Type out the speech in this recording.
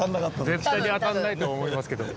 絶対に当たらないと思いますけど。